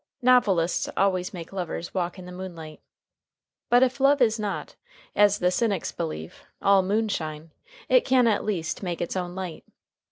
Novelists always make lovers walk in the moonlight. But if love is not, as the cynics believe, all moonshine, it can at least make its own light.